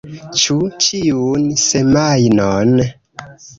Ĉu ĉiun semajnon?